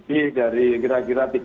bahwa ada keadaan yang tidak terlalu baik